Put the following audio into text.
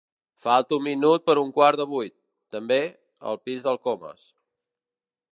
Falta un minut per a un quart de vuit, també, al pis del Comas.